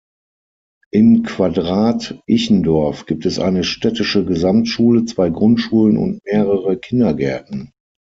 In Quadrath-Ichendorf gibt es eine städtische Gesamtschule, zwei Grundschulen und mehrere Kindergärten.